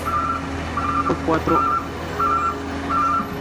Fue cuarto en la Amstel Gold Race.